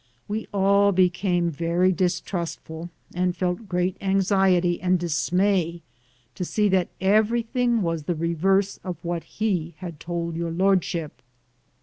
We all became very distrustful, and felt great anxiety and dis may to see that everything was the reverse of what he had told Your Lordship.